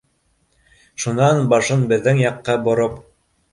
Шунан башын беҙҙең яҡҡа бороп.